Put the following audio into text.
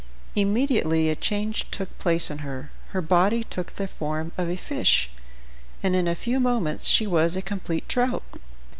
Immediately a change took place in her. Her body took the form of a fish, and in a few moments she was a complete trout.